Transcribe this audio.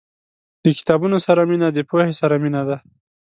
• د کتابونو سره مینه، د پوهې سره مینه ده.